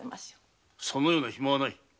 そのような暇はない。